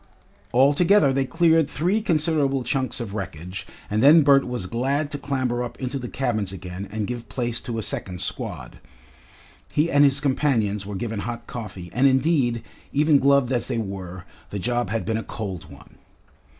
All together they cleared three considerable chunks of wreckage, and then Bert was glad to clamber up into the cabins again and give place to a second squad. He and his companions were given hot coffee, and indeed, even gloved as they were, the job had been a cold one.